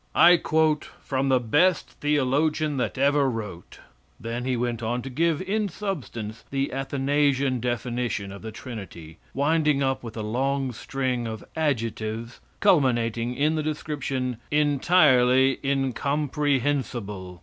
I quote from the best theologian that ever wrote. [Then he went on to give in substance the Athanasian definition of the trinity, winding up with a long string of adjectives, culminating in the description "entirely incomprehensible."